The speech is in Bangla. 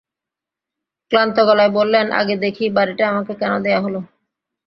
ক্লান্ত গলায় বললেন, আগে দেখি, বাড়িটা আমাকে কেন দেয়া হল।